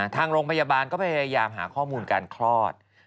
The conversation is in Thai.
ทางโรงพยาบาลก็พยายามหาข้อมูลการคลอด